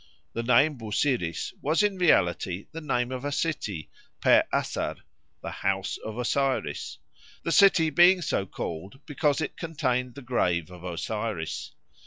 The name Busiris was in reality the name of a city, pe Asar, "the house of Osiris," the city being so called because it contained the grave of Osiris.